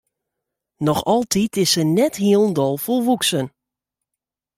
Noch altyd is se net hielendal folwoeksen.